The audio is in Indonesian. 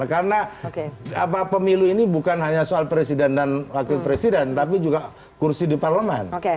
karena pemilu ini bukan hanya soal presiden dan wakil presiden tapi juga kursi di parlemen